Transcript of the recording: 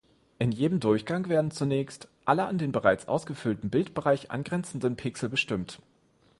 In jedem Durchgang werden zunächst alle an den bereits ausgefüllten Bildbereich angrenzenden Pixel bestimmt.